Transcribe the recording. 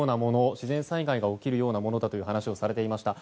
自然災害が起きるようなものだと話をされていました。